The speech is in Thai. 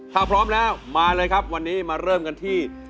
ถ้าพร้อมแล้วมาเลยครับวันนี้มาเริ่มกันที่